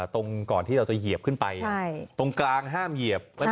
ตรงก่อนที่เราจะเหยียบขึ้นไปตรงกลางห้ามเหยียบ